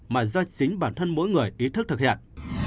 mà do chính bản thân mỗi người ý thức thực hiện